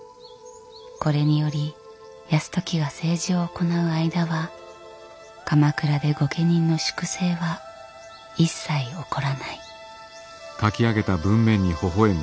これにより泰時が政治を行う間は鎌倉で御家人の粛清は一切起こらない。